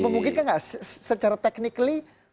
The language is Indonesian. memungkinkah nggak secara technically